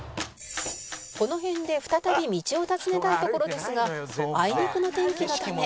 「この辺で再び道を尋ねたいところですがあいにくの天気のため」